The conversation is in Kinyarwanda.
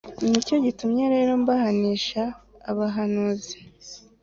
Ni cyo gitumye rero mbahanisha abahanuzi,